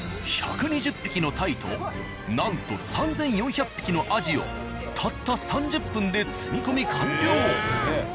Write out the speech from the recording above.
１２０匹の鯛となんと３４００匹のアジをたった３０分で積み込み完了。